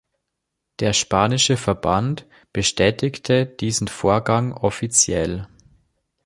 Der spanische Verband bestätigte diesen Vorgang offiziell.